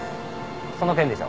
その件でしょ？